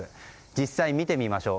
実際見てみましょう。